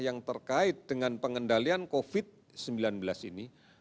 yang terkait dengan pengendalian covid sembilan belas ini